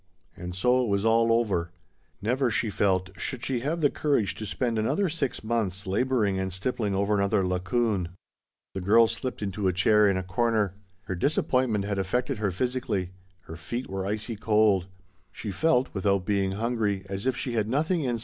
And so it was all over ! Never, she felt, should she have the courage to spend another six months labouring and stippling over another Laocoon. She sat down in a corner. Her disappointment had affected her phys ically. Her feet were icy cold ; she felt, with out being hungry, as if she had nothing in NEW HOPES.